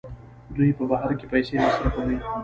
دوی په بهر کې پیسې مصرفوي.